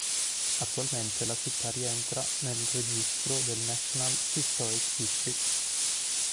Attualmente la città rientra nel registro del National Historic District.